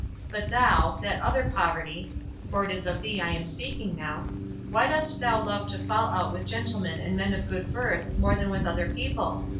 But thou, that other poverty for it is of thee I am speaking now why dost thou love to fall out with gentlemen and men of good birth more than with other people?